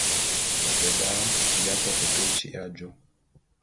Ve da, bi ataté ke tyi'i ajô.